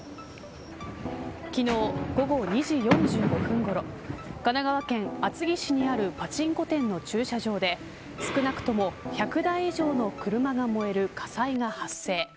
昨日午後２時４５分ごろ神奈川県厚木市にあるパチンコ店の駐車場で少なくとも１００台以上の車が燃える火災が発生。